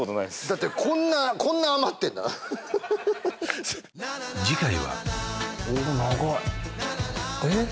だってこんなこんな余ってんだから次回はお長いえっ？